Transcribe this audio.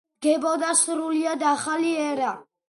დგებოდა სრულიად ახალი ერა